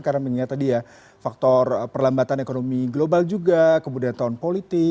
karena mengingat tadi ya faktor perlambatan ekonomi global juga kemudian tahun politik